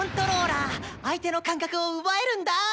相手の感覚を奪えるんだ！